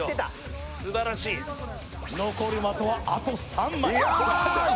残る的はあと３枚。